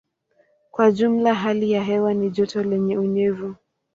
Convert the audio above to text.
Kwa jumla hali ya hewa ni joto lenye unyevu.